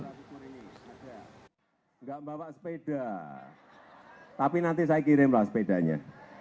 tidak membawa sepeda tapi nanti saya kirimlah sepedanya